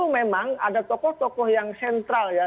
memang ada tokoh tokoh yang sentral ya